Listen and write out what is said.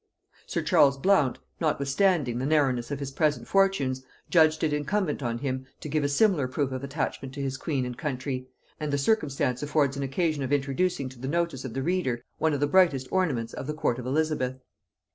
Sir Charles Blount, notwithstanding the narrowness of his present fortunes, judged it incumbent on him to give a similar proof of attachment to his queen and country; and the circumstance affords an occasion of introducing to the notice of the reader one of the brightest ornaments of the court of Elizabeth.